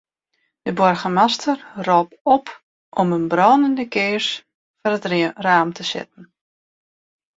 De boargemaster ropt op om in brânende kears foar it raam te setten.